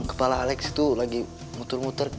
kepala alex itu lagi muter muter